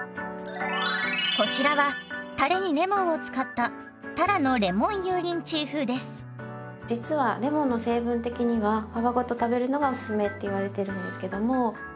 こちらはたれにレモンを使った実はレモンの成分的には皮ごと食べるのがおすすめって言われてるんですけども。